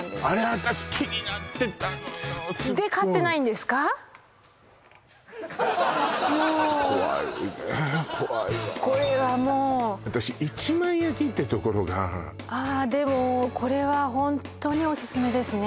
私気になってたのよもお怖いね怖いわこれはもう私１枚焼きってところがああでもこれはホントにオススメですね